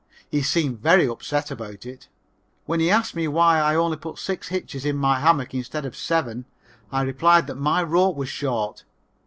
He seemed very upset about it. When he asked me why I only put six hitches in my hammock instead of seven, I replied that my rope was short.